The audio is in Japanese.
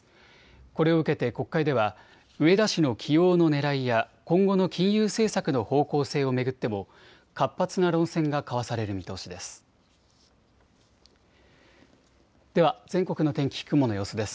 これを受けて国会では植田氏の起用のねらいや今後の金融政策の方向性を巡っても活発な論戦が交わされる見通しです。